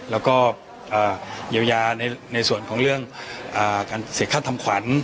แล้วก็เยียวยาในส่วนของเรื่องการเสียค่าทำขวัญ